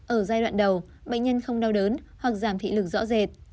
ở giai đoạn đầu bệnh nhân không đau đớn hoặc giảm thị lực rõ rệt